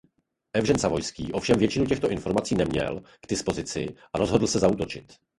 Evžen Savojský ovšem většinu těchto informací neměl k dispozici a rozhodl se zaútočit.